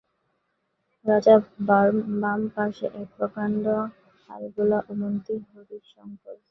রাজার বাম পার্শ্বে এক প্রকাণ্ড আলবোলা ও মন্ত্রী হরিশংকর।